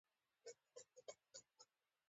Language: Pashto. په کلي کې بل څراغونه ګرځېدل.